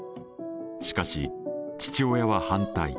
しかし父親は反対。